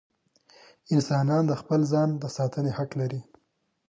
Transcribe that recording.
انسانان د خپل ځان د ساتنې حق لري.